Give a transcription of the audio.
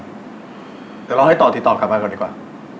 เดี๋ยวเราให้ต่อติดต่อกลับมาก่อนดีกว่า